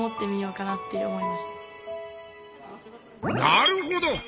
なるほど！